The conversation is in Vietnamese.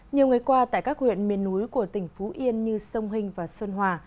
nhiều ngày qua tại các huyện miền núi của tỉnh phú yên như sông hình và sơn hòa